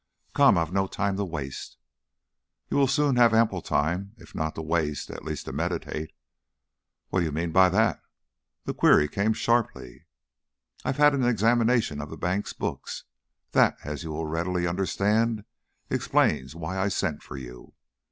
"Come! I've no time to waste." "You will soon have ample time if not to waste, at least to meditate " "What do you mean by that?" The query came sharply. "I've had an examination of the bank's books. That, as you will readily understand, explains why I sent for you."